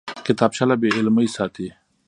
کتابچه له بېعلمۍ ساتي